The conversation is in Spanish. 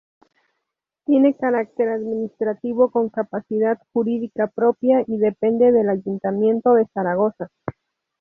Tiene carácter administrativo con capacidad jurídica propia, y depende del Ayuntamiento de Zaragoza.